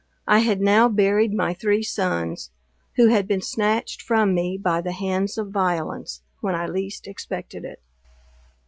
I had now buried my three sons, who had been snatched from me by the hands of violence, when I least expected it.